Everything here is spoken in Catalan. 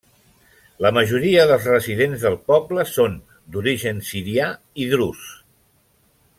La majoria dels residents del poble són d'origen sirià i drus.